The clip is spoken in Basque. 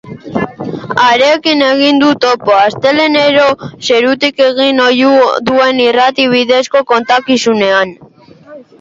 Harekin egin du topo, astelehenero zerutik egin ohi duen irrati bidezko kontakizunean.